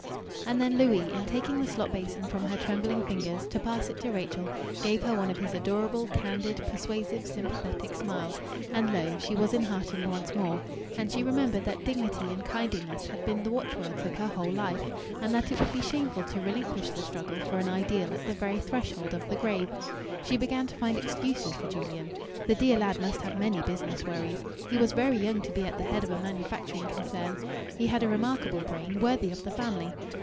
And then Louis, in taking the slop basin from her trembling fingers, to pass it to Rachel, gave her one of his adorable, candid, persuasive, sympathetic smiles. And lo! she was enheartened once more. And she remembered that dignity and kindliness had been the watchwords of her whole life, and that it would be shameful to relinquish the struggle for an ideal at the very threshold of the grave. She began to find excuses for Julian. The dear lad must have many business worries. He was very young to be at the head of a manufacturing concern. He had a remarkable brain worthy of the family.